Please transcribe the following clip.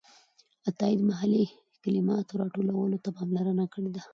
عطايي د محلي کلماتو راټولولو ته پاملرنه کړې ده.